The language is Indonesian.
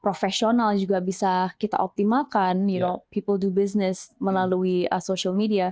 profesional juga bisa kita optimalkan orang melakukan bisnis melalui media sosial